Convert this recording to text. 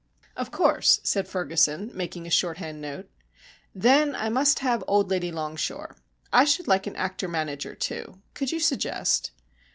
"Of course," said Ferguson, making a shorthand note. "Then I must have old Lady Longshore. I should like an actor manager, too. Could you suggest?"